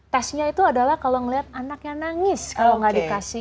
tesnya itu adalah kalau melihat anaknya nangis kalau nggak dikasih